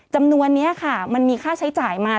จำนวนนี้ค่ะมันมีค่าใช้จ่ายมา